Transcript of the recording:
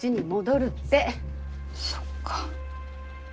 そっか。